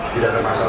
tidak ada masalah